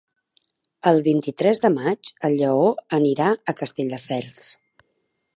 El vint-i-tres de maig en Lleó anirà a Castelldefels.